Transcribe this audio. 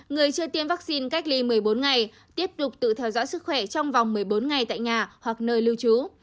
người chưa tiêm vaccine cách ly một mươi bốn ngày tiếp tục tự theo dõi sức khỏe trong vòng một mươi bốn ngày tại nhà hoặc nơi lưu trú